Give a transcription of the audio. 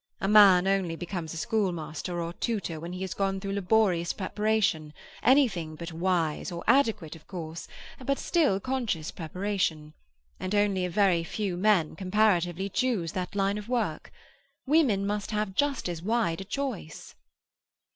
A man only becomes a schoolmaster or tutor when he has gone through laborious preparation—anything but wise or adequate, of course, but still conscious preparation; and only a very few men, comparatively, choose that line of work. Women must have just as wide a choice."